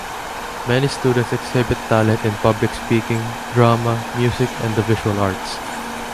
Many students exhibit talent in public speaking, drama, music and the visual arts.